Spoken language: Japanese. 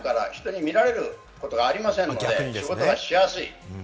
それから高い塀であれば、外部から人に見られることがありませんので、仕事がしやすい。